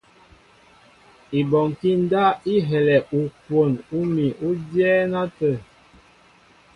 Ibɔnkí ndáp i helɛ ukwon úmi ú dyɛ́ɛ́n átə̂.